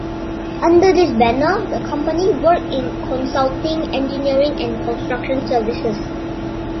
Under this banner, the company worked in consulting, engineering and construction services.